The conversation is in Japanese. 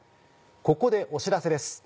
ここでお知らせです。